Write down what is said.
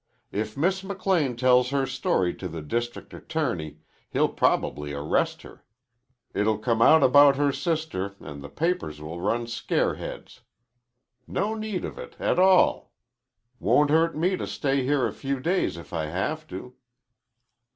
"If Miss McLean tells her story to the district attorney he'll probably arrest her. It'll come out about her sister an' the papers will run scare heads. No need of it a tall. Won't hurt me to stay here a few days if I have to."